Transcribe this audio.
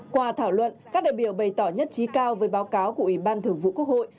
qua thảo luận các đại biểu bày tỏ nhất trí cao với báo cáo của ủy ban thường vụ quốc hội